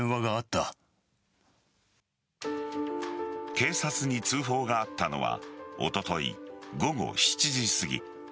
警察に通報があったのはおととい午後７時すぎ。